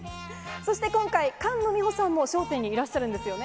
そして今回、菅野美穂さんも笑点にいらっしゃるんですよね。